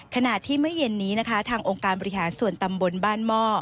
ขณะที่เมื่อเย็นนี้นะคะทางองค์การบริหารส่วนตำบลบ้านหม้อ